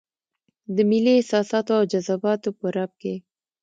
د ملي احساساتو او جذباتو په رپ کې.